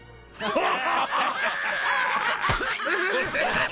ハハハハ！